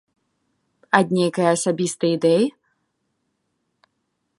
Ад нейкай асабістай ідэі?